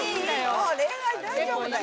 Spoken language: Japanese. もう恋愛大丈夫だよ。